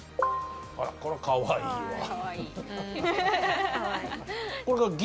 あらこらかわいいわ。